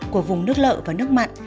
của vùng nước lợ và nước mặn